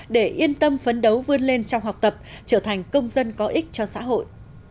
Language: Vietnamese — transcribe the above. để yên tâm phấn đấu vươn lên trong học tập trở thành công dân có ích cho xã hội